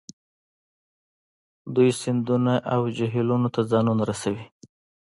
دوی سیندونو او جهیلونو ته ځانونه رسوي